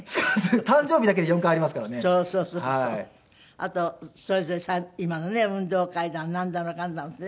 あとそれぞれ今のね運動会だなんだのかんだのってね。